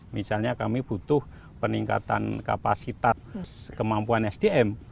misalnya kami butuh peningkatan kapasitas kemampuan sdm